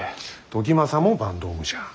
時政も坂東武者。